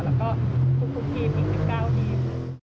แล้วก็ทุกทีมอีก๑๙ทีม